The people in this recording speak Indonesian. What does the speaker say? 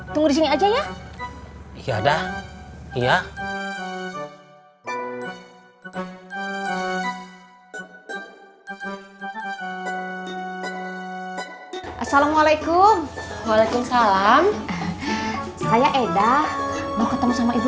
tunggu di sini aja ya assalamualaikum waalaikumsalam saya eda mau ketemu sama ibu